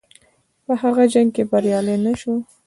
په هغه جنګ کې بریالی نه شو.